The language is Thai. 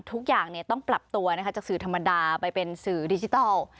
ทุกอย่างต้องปรับตัวจากสื่อธรรมดาไปเป็นสื่อดิจิทัล